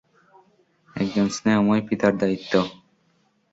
একজন স্নেহময় পিতার দায়িত্ব।